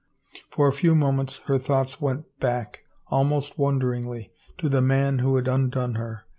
For a few moments her thoughts went back almost wonderingly to the man who had undone her.